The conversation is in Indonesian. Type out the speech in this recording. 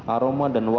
aromasi dan berbeda